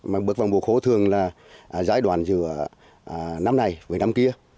mà bước vào mùa khô thường là giải đoàn giữa năm này với năm kia